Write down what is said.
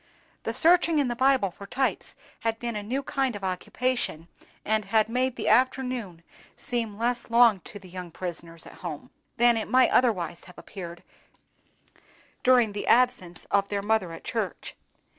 The searching in the Bible for types had been a new kind of occupation, and had made the afternoon seem less long to the young prisoners at home than it might otherwise have appeared during the absence of their mother at church.